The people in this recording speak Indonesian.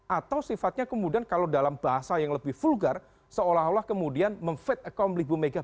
atau sifatnya kemudian kalau dalam bahasa yang lebih vulgar seolah olah kemudian memfeit akompli bumega